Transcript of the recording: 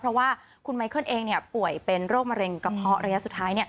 เพราะว่าคุณไมเคิลเองป่วยเป็นโรคมะเร็งกระเพาะระยะสุดท้าย